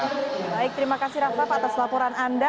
baik terima kasih rafa atas laporan anda